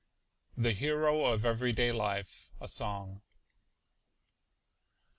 THE HERO OF EVERY DAY LIFE. (SONG.)